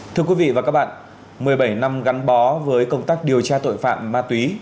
thưa quý vị và các bạn một mươi bảy năm gắn bó với công tác điều tra tội phạm ma túy